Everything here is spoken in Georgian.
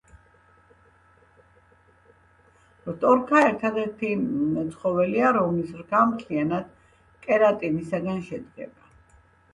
რტორქა ერთადერთი ცხოველია რომლის რქა მთლიანად კერატინისგან შედგება